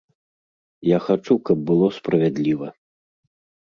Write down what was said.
Я хачу, каб было справядліва.